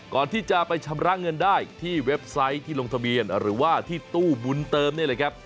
ก่อนที่จะไปชำระเงินได้ที่เว็บไซต์ที่ลงทะเบียนหรือว่าที่ตู้บุญเติมนี่แหละครับ